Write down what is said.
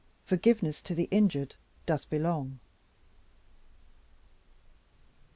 Forgiveness to the Injured Doth Belong.